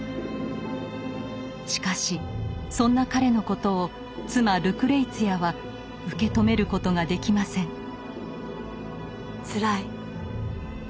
しかしそんな彼のことを妻ルクレイツィアは受け止めることができません。